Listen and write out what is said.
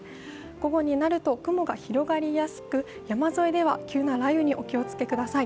午後になると雲が広がりやすく山沿いでは急な雷雨にお気をつけください。